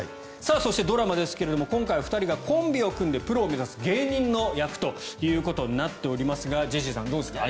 そして、ドラマですが今回お二人がコンビを組んでプロを目指す芸人の役ということになっておりますがジェシーさんどうですか？